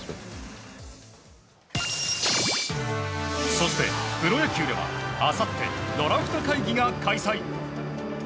そして、プロ野球ではあさってドラフト会議が開催。